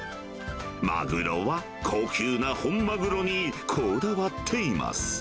マグロは高級な本マグロにこだわっています。